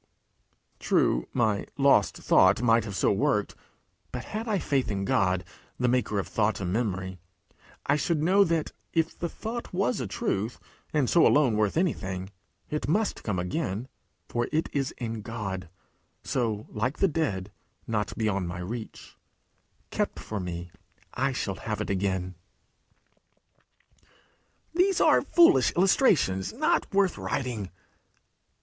True, my lost thought might have so worked; but had I faith in God, the maker of thought and memory, I should know that, if the thought was a truth, and so alone worth anything, it must come again; for it is in God so, like the dead, not beyond my reach: kept for me, I shall have it again. 'These are foolish illustrations not worth writing!'